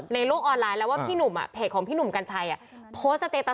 ในโลกออนไลน์แล้วว่าพี่หนุ่มอ่ะเพจของพี่หนุ่มกันชัยอ่ะ